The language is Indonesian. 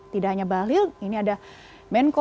tidak hanya bahlil ini ada menko